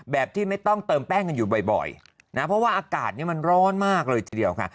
ที่ไม่ต้องเติมแป้งกันอยู่บ่อยนะเพราะว่าอากาศนี้มันร้อนมากเลยทีเดียวค่ะ